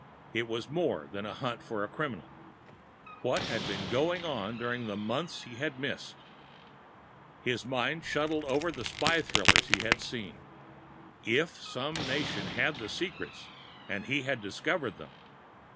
It was more than a hunt for a criminal. What had been going on during the months he had missed? His mind shuttled over the spy thrillers he had seen. If some nation had the secrets, and he had discovered them....